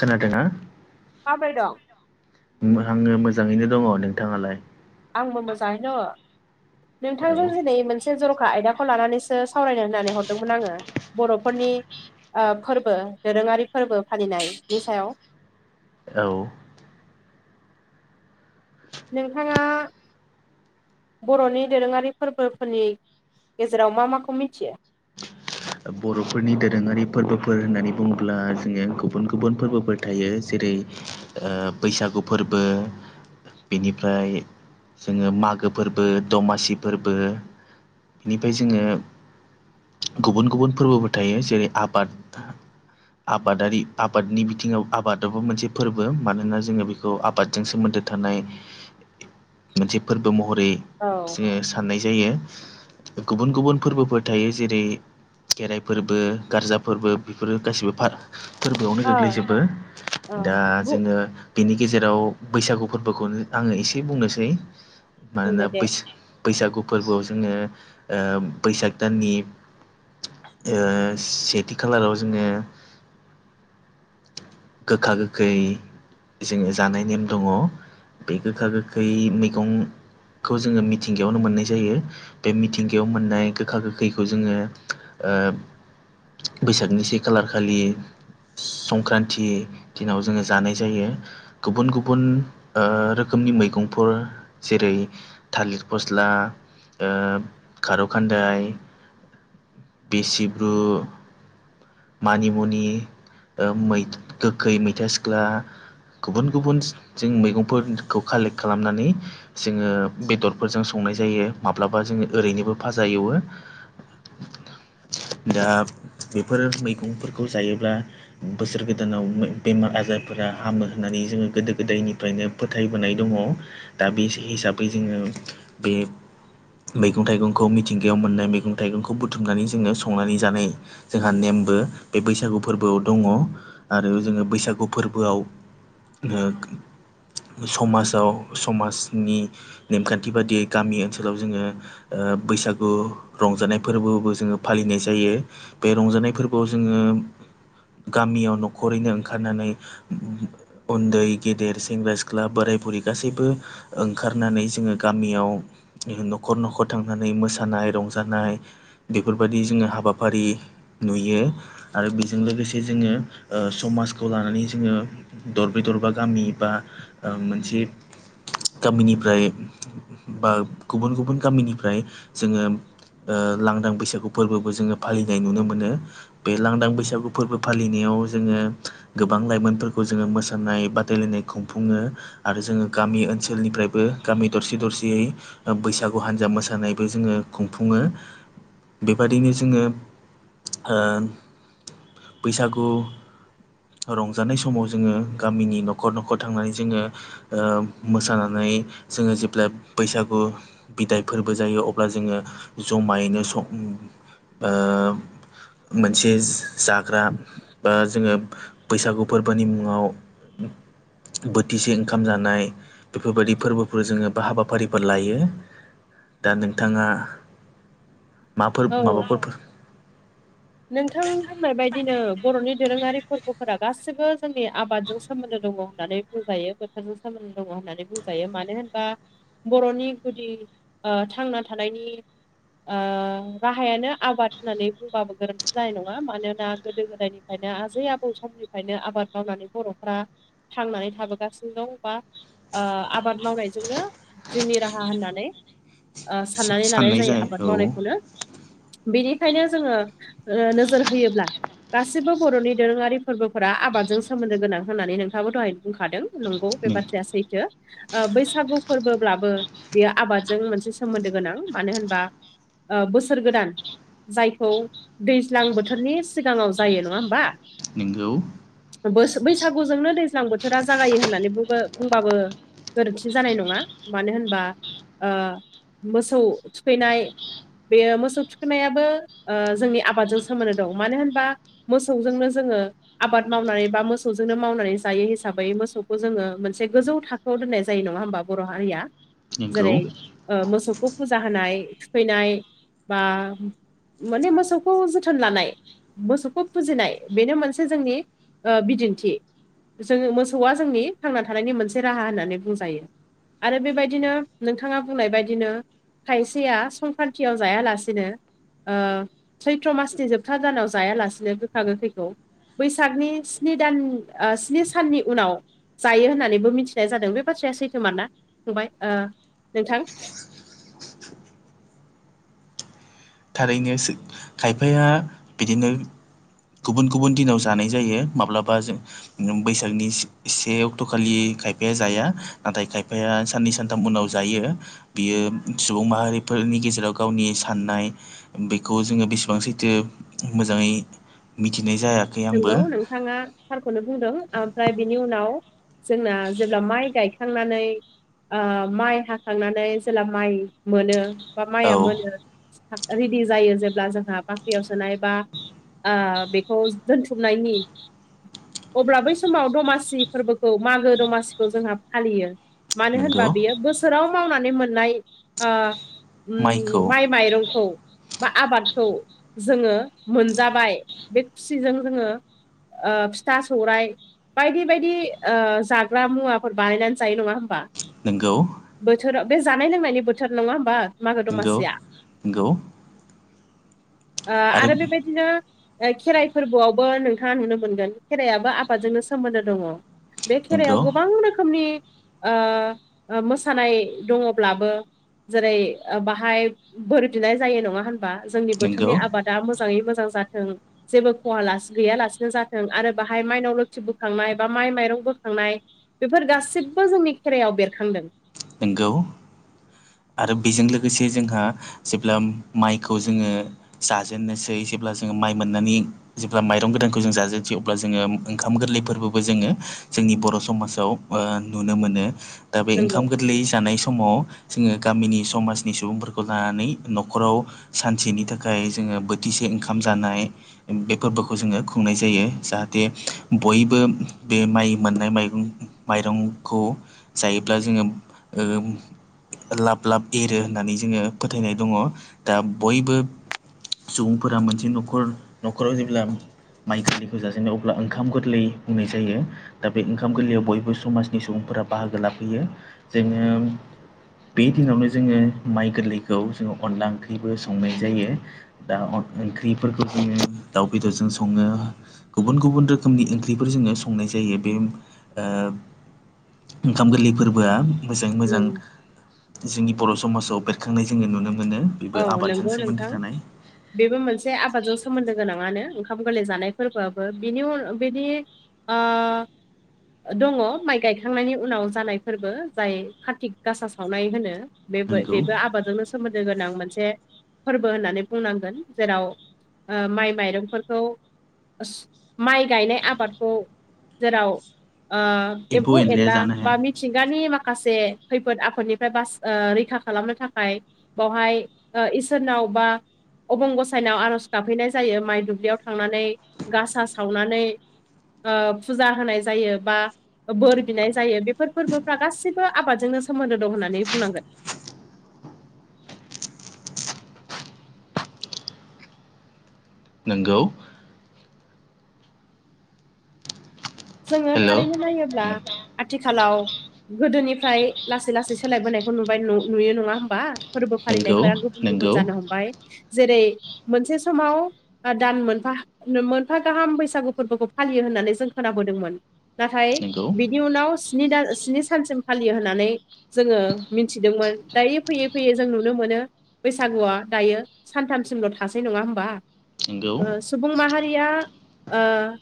खोनादों ना? माब्रै दं? आङो मोजाङैनो दङ नोंथाङालाय? आंबो मोजाङै दं नोंथांजों औ दिनै मोनसे जर'खा आयदाखौ लानानैसो सावरायनो होननानै हरदोंमोन आङो बर'फोरनि ओ फोरबो दोरोङारि फोरबो फालिनायनि सायाव औ नोंथाङा बर'नि दोरोङारि फोरबोफोरनि गेजेराव मा माखौ मिथियो? बर'फोरनि दोरोङारि फोरबोफोर होननानै बुङोब्ला जोङो गुबुन गुबुन फोरबोफोर थायो जेरै ओ बैसागु फोरबो, बेनिफ्राय जोङो मागो फोरबो दमासि फोरबो बेनिफ्राय जोङो गुबुन गुबुन फोरबोबो थायो जेरै आबाद आबादारि आबादनि बिथिङाव आबादावबो मोनसे फोरबो मानोना जोङो बेखौ आबादजों सोमोन्दो थानाय मोनसे फोरबो महरै औ जोङो साननाय जायो गुबुन गुबुन फोरबोफोर थायो जेरै खेराइ फोरबो गारजा फोरबो बेफोरो गासैबो फार फोरबोआवनो ओ गोग्लैजोबो औ दा बु जोङो बेनि गेजेराव बैसागु फोरबोखौनो आङो एसे बुंनोसै बुंदो मानोना दे बैसा बैसागु फोरबोआव जोङो बैसाग दाननि ओ सेथि खालाराव जोङो गोखा गोखै जोङो जानाय नेम दङ। बे गोखा गोखै मैगंखौ जोङो मिथिंगायावनो मोननाय जायो। बे मिथिंगायाव मोननाय गोखा गोखैखौ जोङो ओ बैसागनि से खालार खालि संक्रान थि दिनाव जोङो जानाय जायो। गुबुन गुबुन ओ रोखोमनि मैगंफोर जेरै थालिर फस्ला ओ खारौ खान्दाय बेसेब्रु मानिमुनि गोखै मैथा सिख्ला गुबुन गुबुन जों मैगंफोरखौ कालेक्ट खालामनानै जोङो बेदरफोरजों संनाय जायो माब्लाबा जोङो ओरैनोबो फाजा एवो दा बेफोर मैगंफोरखौ जायोब्ला बोसोर गोदानाव बेमार आजारफोरा हामो होननानै जोङो गोदो गोदायनिफ्रायनो फोथायबोनाय दङ दा बे हिसाबै जोङो बे मैगं थाइगंखौ मिथिंगायाव मोननाय मैगं थाइगंखौ बुथुमनानै जोङो संनानै जानाय जोंहा नेमबो बे बैसागु फोरबोआव दङ आरो जोङो बैसागु फोरबोआव ओ समाजाव समाजनि नेमखान्थि बादियै गामि ओनसोलाव जोङो ओ बैसागु रंजानाय फोरबोबो जोङो फालिनाय जायो बे रंजानाय फोरबोआव जोङो गामियाव न'खरैनो ओंखारनानै उन्दै गेदेर सेंग्रा सिख्ला बोराय बुरि गासैबो ओंखारनानै जोङो गामियाव न'खर न'खर थांनानै मोसानाय रंजानाय बेफोरबायदि जोङो हाबाफारि नुयो आरो बेजों लोगोसे जोङो समाजखौ लानानै जोङो दरबे दरबा गामि बा मोनसे गामिनिफ्राय बा गुबुन गुबुन गामिनिफ्राय जोङो लांदां बैसागु फोरबोबो जोङो फालिनाय नुनो मोनो बे लांदां बैसागु फोरबो फालिनायाव जोङो गोबां लाइमोनफोरखौ जोङो मोसानाय बादायलायनाय खुंफुङो आरो जोङो गामि ओनसोलनिफ्रायबो गामि दरसे दरसेयै बैसागु हान्जा मोसानायबो जोङो खुंफुङो बेबायदिनो जोङो बैसागु रंजानाय समाव जोङो गामिनि न'खर न'खर थांनानै जोङो मोसानानै जोङो जेब्लााय बैसागु बिदायफोरबो जायो अब्ला जोङो जमायैनो सं मोनसे जाग्रा बा जोङो बैसागु फोरबोनि मुङाव बोथिसे ओंखाम जानाय बेफोरबायदि फोरबोफोर जोङो बा हाबाफारिफोर लायो दा नोंथाङा माफोर औ माबाफोरफोर नोंथां बुंनाय बायदिनो बर'नि दोरोङारि फोरबोफोरा गासिबो जोंनि आबादजों सोमोन्दो दङ होननानै बुंजायो बोथोरजों सोमोनद दङ होननानै बुंजायो मानो होनबा बर'नि गुदि थांना थानायनि राहायानो आबाद होननानै बुंबाबो गोरोन्थि जानाय नङा मानोना गोदो गोदायनिफ्रायनो आजै आबौ समनिफ्रायनो आबाद मावनानै बर'फ्रा थांनानै थाबोगासिनो दं बा आबाद मावनायजोंनो जोंनि राहा होननानै साननानै लानाय साननाय जायो जाय आबाद औ मावनायखौनो बेनिखायनो जोङो नोजोर होयोब्ला गासिबो बर'नि दोरोङारि फोरबोफोरा आबादजों सोमोन्दो गोनां होननानै नोंथाङाबो दहाय बुंखादों नंगौ बे बाथ्राया सैथो बैसागु फोरबोब्लाबो बेयो आबादजों मोनसे सोमोन्दो गोनां मानो होनबा बोसोर गोदान जायखौ दैज्लां बोथोरनि सिगाङाव जायो नङा होमबा नोंगौ ब बैसागुजोंनो दैज्लां बोथोरा जागायो होननानै बुंबाबो। गोरोन्थि जानाय नङा मानो होनबा ओ मोसौ थुखैनाय बेयो मोसौ थुखोननायाबो जोंनि आबादजों सोमोनदो दं मानो होनबा मोसौजोंनो जोङो आबाद मावनानै बा मोसौजोंनो मावनानै जायो हिसाबै मोसौखौ जोङो मोनसे गोजौ थाखो खौ दोननाय जायो नङा होमबा बर' हारिया नोंगौ जेरै ओ मोसौखौ फुजा होनाय थुखैनाय बा माने मोसौ मोस खौ जोथोन लानाय मोसौखौ फुजिनाय बेनो मोनसे जोंनि बिदिन्थि जोङो मोसौआ जोंनि थांना थानायनि मोनसे राहा होननानै बुंजायो आरो बेबायदिनो नोंथाङा बुंनाय बायदिनो खायसेया संक्रान्तियाव जायालासेनो सैथ्र' मासनि जोबथा दानाव जायालासिनो गोखा गोखैखौ बैसागनि स्नि दान स्नि साननि उनाव जायो होननानैबो मिथिनाय जादों बे बाथ्राया सैथोमार ना फंबाय ओ नोंथां थारैनो सो खायफाया बिदिनो गुबुन गुबुन दिनाव जानाय जायो माब्लाबा जों न बैसागनि से अक्ट'खालि खायफाया जाया नाथाय खायफाया साननै सान उनाव जायो बियो सुबुं माहारिफोरनि गेजेराव गावनि साननाय बेखौ जोङो बेसेबां सैथो मोजाङै मिथिनाय जाया नंगौ नोंथाङा थारखौनो बुंदों ओमफ्राय बिनि उनाव जोंना जेब्ला माइ गायखांनानै ओ माइ हाखांनानै जेला माइ मोनो बा माइआ मोनो औ रेडि जायो जेब्ला जोंहा बाख्रियाव सोनाय बा ओ बेखौ दोनथुमनायनि अब्ला बै समाव दमासि फोरबोखौ मागो दमासिखौ जोंहा फालियो मानो होनबा नंगौ बियो बोसोराव मावनानै मोननाय ओ उम माइखौ माइ माइरंखौ बा आबादखौ जोङो मोनजाबाय बे खुसिजों जोङो ओ फिथा सौरायाइ बायदि बायदि ओ जाग्रा मुवाफोर बानायनानै जायो नङा होमबा नोंगौ बोथोराव बे जानाय लोंनायनि बोथोर नङा होमबा मागो गौ दमासिया गौ ओ आरो बेबायदिनो ओ खेराइ फोरबोआवबो नोंथाङा नुनो मोनगोन खेरायाबो आबादजोंनो सोमोन्दो दङ बे खेरायाव नंगौ गोबां रोखोमनि ओ मोसानाय दङब्लाबो जेरै बाहाय बोर बिनाय जायो नङा होन बा जोंनि नंगौ बोथोरनि आबादा मोजाङै मोजां जाथों जेबो खवा ला गैयालासिनो जाथों आरो बाहाय माइनाव लोखि बोखांनाय बा माइ माइरं बोखांनाय बेफोर गासिबो जोंनि खेराइायाव बेरखांदों नोंगौ आरो बेजों लोगोसे जोंहा जेब्ला माइखौ जोङो जाजेननोसै जेब्ला जोङो माइ मोननानै जेब्ला माइरं गोदानखौ जों जाजेनदियो अब्ला जोङो ओंखाम गोरलै फोरबोबो जोङो जोंनि बर' समाजाव नुनो मोनो दा बे ओं नंगौ गोरलै जानाय समाव जोङो गामिनि समाजनि सुबुंफोरखौ लानानै न'खराव सानसेनि थाखाय जोङो बोथिसे ओंखाम जानाय बे फोरबोखौ जोङो खुंनाय जायो जाहाथे बयबो बे माइ मोननाय माइगं माइरंखौ जायोब्ला जोङो ओ लाब लाब एरो होननानै जोङो फोथायनाय दङ दा बयबो सुबुंफोरा मोनसे न'खर न'खराव जेब्ला माइ गोरलैखौ जाजेननो अब्ला ओंखाम गोरलै बुंनाय जायो। दा बे ओंखाम गोरलैयाव बयबो समाजनि सुबुंफोरा बाहागो लाफैयो। जोङो बे दिनावनो जोङो माइ गोरलैखौ जोङो अनला ओंख्रिबो संनाय जायो। दा अन ओंख्रिफोरखौ बुङो दाउ बेदरजों सङो। गुबुन गुबुन रोखोमनि ओंख्रिफोर जोङो संनाय जायो बे ओ ओंखाम गोरलै फोरबोआ मोजाङै मोजां नों जोंनि बर' समाजाव बेरखांनाय जोङो नुनो मोनो औ बेबो आबादजों नंगौ नोंथां सोमोन्दो थानाय बेबो मोनसे आबादजों सोमोन्दो गोनाङानो ओंखाम गोरलै जानाय फोरबोआबो बिनि उन बिनि ओ दङ माइ गायखांनायनि उनाव जानाय फोरबो जाय कार्तिक गासा सावनाय होनो। बेबो नंगौ बेबो आबादजोंनो सोमोन्दो गोनां। मोनसे फोरबो होननानै बुंनांगोन। जेराव ओ माइ माइरंफोरखौ सो माइ गायनाय आबादखौ जेराव आ एम्फौ एनलाया एनला जानो हाया बा मि थिंगानि माखासे खैफोद आफोदनिफ्राय बास रैखा खालामनो थाखाय बावहाय ओ इसोर नावबा अबंगसायनायाव आर'ज गाबहैनाय जायो। माइ दुब्लियाव थांनानै गासा सावनानै ओ फुजा होनाय जायो, बा बोर बिनाय जायो। बे फोर फोरबोफ्रा गासिबो आबादजोंनो सोमोन्दो दं होन्नानै बुंनांगोन। नोंगौ। जोङो थारैनो नायोब्ला हेल' आथिखालाव गोदोनिफ्राय लासै लासै सोलायबोनायखौ नुबाय नुयो नङा होमबा? फोरबो नंगौ फालिनायफोरा गुबुन गुबुन नंगौ जानो हमबाय। जेरै मोनसे समाव ओ दान मोनफा मोनफा गाहाम बैसागु फोरबोखौ फालियो होननानै जों खोनाबोदोंमोन। नाथाय नंगौ बिनि उनाव द स्नि सानसिम फालियो होननानै जोङो मिथिदोंमोन। दायो फैयै फैयै जों नुनो मोनो बैसागुआ दायो सानथामसिमल' थासै नङा होमबा? नंगौ नंगौ ओ सुबुं माहारिया ओ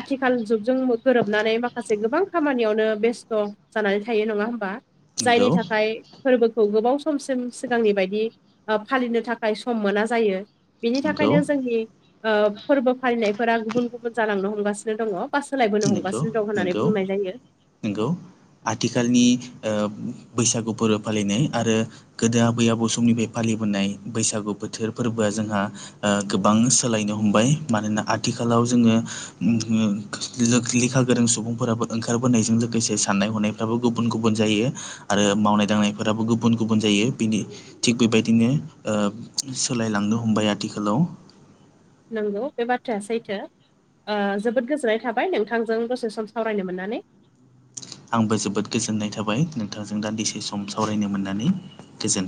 आथिखाल जुगजों मोग गोरोबनानै माखासे गोबां खामानियावनो बेस्थ' जानानै थायो। नङा होमबा? जायनि नंगौ थाखाय फोरबोखौ गोबाव समसिम सिगांनि बायदि ओ फालिनो थाखाय सम मोना जायो। बिनि नंगौ थाखायनो जोंनि ओ फोरबो फालिनायफोरा गुबुन गुबुन जालांनो हमगासिनो दङ। बा सोलायबो नंगौ गासिनो दं होननानै नंगौ बुंनाय जायो। नंगौ आथिखालनि ओ बैसागु फोरबो फालिनाय आरो गोदो आबै आबौ समनिफ्राय फालिबोनाय बैसागु बोथोर फोरबोआ जोंहा ओ गोबां सोलायनो हमबाय। मानोना आथिखालाव जोङो उम ओ लो लेखा गोरों सुबुंफोराबो ओंखारबोनायजों लोगोसे साननाय हनायफ्राबो गुबुन गुबुन जायो। आरो मावनाय दांनायफोराबो गुबुन गुबुन जायो। बिनि थिग बेबायदिनो ओ सोलायलांनो हमबाय आथिखालाव। नंगौ बे बाथ्राया सैथो। आ जोबोद गोजोननाय थाबाय नोंथांजों दसे सम सावरायनो मोननानै। आंबो जोबोद गोजोननाय थाबाय नोंथांजों दान्दिसे सम सावरायनो मोननानै गोजोन